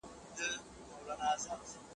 د نجونو زده کړه د عامه همکارۍ اعتماد زياتوي.